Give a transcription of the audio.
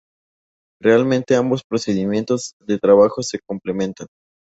Realmente ambos procedimientos de trabajo se complementan.